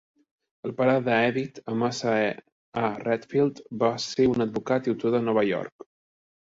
El pare de Edith, Amasa A. Redfield, va ser un advocat i autor de Nova York.